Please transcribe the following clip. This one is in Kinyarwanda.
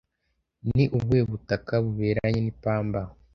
Ni ubuhe butaka buberanye n'ipamba